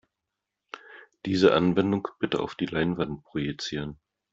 Diese Anwendung bitte auf die Leinwand projizieren.